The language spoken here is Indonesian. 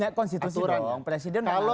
nah konstitusi dong presiden mengalahkan kemana